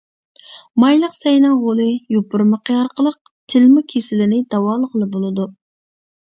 مايلىق سەينىڭ غولى، يوپۇرمىقى ئارقىلىق تىلما كېسىلىنى داۋالىغىلى بولىدۇ.